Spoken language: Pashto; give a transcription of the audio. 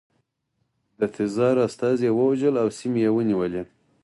د تزار استازي یې ووژل او سیمې یې ونیولې.